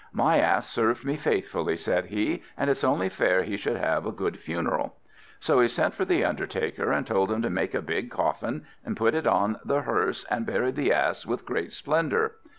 "My Ass served me faithfully," said he, "and it's only fair he should have a good funeral." So he sent for the undertaker, and told him to make a big coffin, and put it on a hearse, and buried the Ass with great splendour.